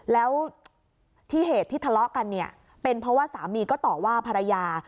แล้วที่เหตุที่ทะเลาะกันเนี่ยเป็นเพราะว่าสามีก็ต่อว่าภรรยา